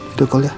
itu call ya